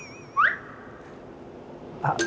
あっ！